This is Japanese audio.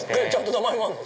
名前もあるの！